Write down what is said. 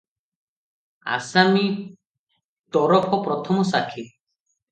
ଆସାମୀ ତରଫ ପ୍ରଥମ ସାକ୍ଷୀ ।